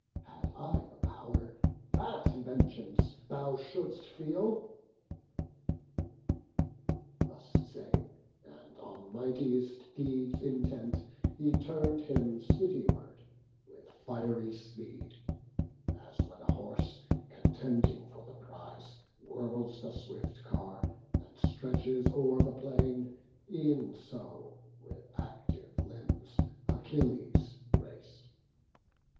Had I the pow'r, that vengeance thou shouldst feel." Thus saying, and on mightiest deeds intent, He turn'd him city ward, with fiery speed; As when a horse, contending for the prize, Whirls the swift car, and stretches o'er the plain, E'en so, with active limbs, Achilles rac'd.